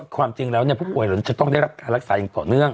ความจริงแล้วเนี่ยผู้ป่วยจะต้องได้รักษาอย่างต่อเนื่อง